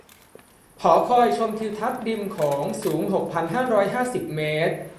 หอคอยชมทิวทัศน์ริมโขงสูง หกพันห้าร้อยห้าสิบ เมตร